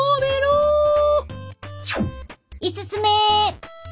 ５つ目！